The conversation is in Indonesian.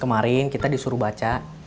kemarin kita disuruh baca